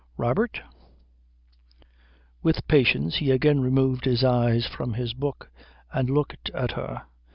"Robert " With patience he again removed his eyes from his book and looked at her.